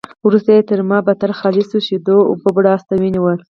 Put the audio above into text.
وروسته یې ترمامتر خالصو ایشېدلو اوبو بړاس ته ونیو.